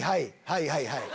はいはいはい。